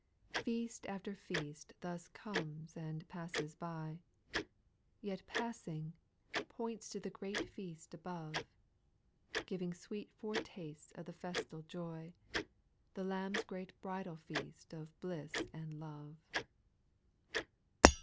7. Feast after feast thus comes and passes by ; Yet passing, points to the great feast above ; Giving sweet foretastes of the festal joy, The Lamb's great bridal feast of bliss and love.